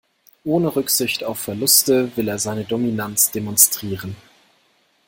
Ohne Rücksicht auf Verluste will er seine Dominanz demonstrieren.